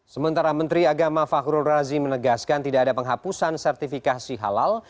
sementara menteri agama fahrul razi menegaskan tidak ada penghapusan sertifikasi halal